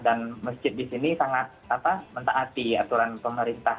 dan masjid di sini sangat mentaati aturan pemerintah